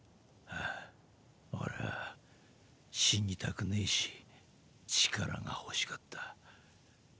あぁ俺は死にたくねぇし力が欲しかった。